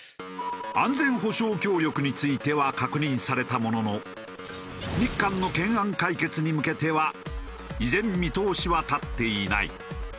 安全保障協力については確認されたものの日韓の懸案解決に向けては依然見通しは立っていない。